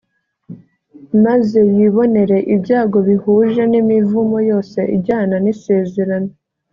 maze yibonere ibyago bihuje n’imivumo yose ijyana n’isezerano